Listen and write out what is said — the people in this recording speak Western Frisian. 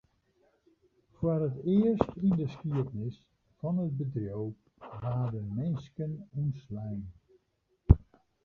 Foar it earst yn 'e skiednis fan it bedriuw waarden minsken ûntslein.